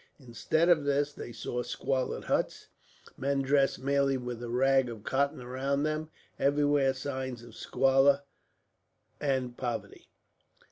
Instead of this they saw squalid huts, men dressed merely with a rag of cotton around them, everywhere signs of squalor and poverty.